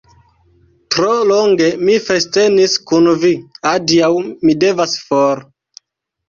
Tro longe mi festenis kun vi, adiaŭ, mi devas for!